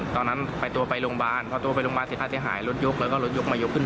โทนให้ทิ้ง๒๐๐๓๐๐บาทรถซ่อมราคาเป็นแสน